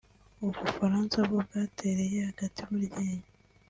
u Bufaransa bwo bwatereye agati mu ryinyo